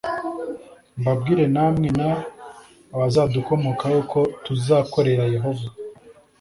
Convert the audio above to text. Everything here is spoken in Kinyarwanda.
mbabwire namwe n abazadukomokaho ko tuzakorera Yehova